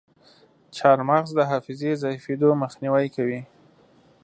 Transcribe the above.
چارمغز د حافظې ضعیفیدو مخنیوی کوي.